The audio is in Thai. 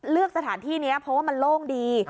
สถานที่นี้เพราะว่ามันโล่งดี